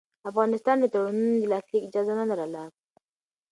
افغانستان د تړونونو د لاسلیک اجازه نه لرله.